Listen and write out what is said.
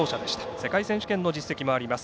世界選手権の実績もあります。